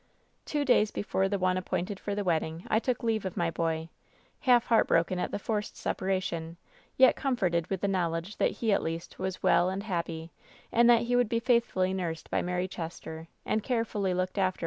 ^ "Two days before the one appointed for the wedding . I took leave of my boy, half heartbroken at the forced ««6 WHEN SHADOWS DDE separation, yet comforted with the knowledge that he at , least was well and happy, and that he would be faith \ fully nursed by Mary Chester, and carefully looked after